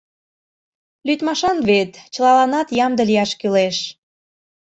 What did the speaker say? Лӱдмашан вет, чылаланат ямде лияш кӱлеш.